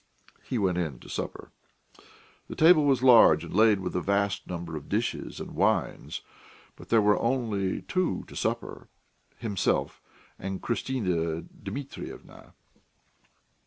He went into supper. The table was large and laid with a vast number of dishes and wines, but there were only two to supper: himself and Christina Dmitryevna.